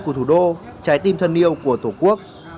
của thủ đô trái tim thân yêu của tổ quốc